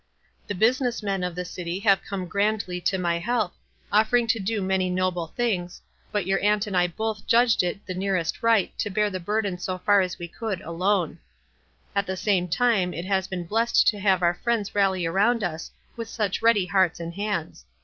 The business men of the city have come grandly to my help, offering to do many noble things, but your aunt and I both judged it the nearest right to bear the burden so far as we could alone ; at the same time it has been blessed to have our friends rally around us with such ready hearts and hands.